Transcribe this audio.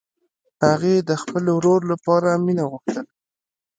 هغې د خپل ورور لپاره مینه غوښتله